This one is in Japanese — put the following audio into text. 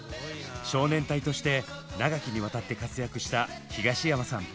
少年隊として長きにわたって活躍した東山さん。